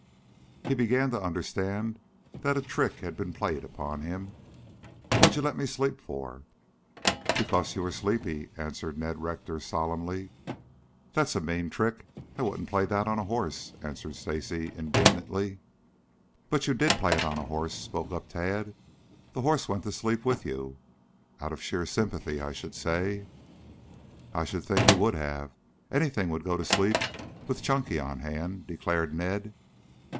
He began to understand that a trick had been played upon him. "What'd you let me sleep for?" "Because you were sleepy," answered Ned Rector solemnly. "That's a mean trick. I wouldn't play that on a horse," answered Stacy indignantly. "But you did play it on a horse," spoke up Tad. "The horse went to sleep with you, out of sheer sympathy I should say." "I should think he would have. Anything would go to sleep with Chunky on hand," declared Ned.